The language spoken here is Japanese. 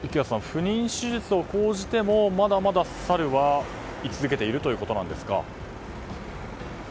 不妊手術を講じてもまだまだサルはい続けているということなんですか？